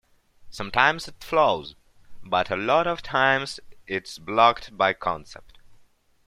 Sometimes it flows, but a lot of times it's blocked by concept.